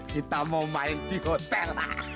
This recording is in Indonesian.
kita mau main di hotel